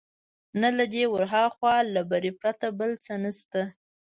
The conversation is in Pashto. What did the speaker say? نه له دې ورهاخوا، له بري پرته بل څه نشته.